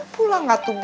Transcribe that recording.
pulang gak tuh b